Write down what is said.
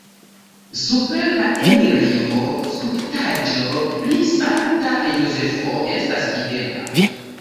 Super la enirejo skulptaĵo pri Sankta Jozefo estas videbla.